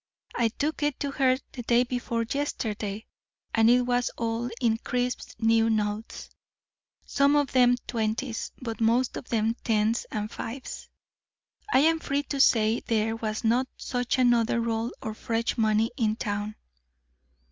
I took it to her day before yesterday, and it was all in crisp new notes, some of them twenties, but most of them tens and fives. I am free to say there was not such another roll of fresh money in town."